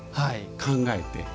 考えて。